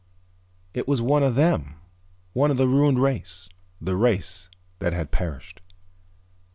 It was one of them, one of the ruined race, the race that had perished.